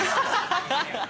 ハハハハ！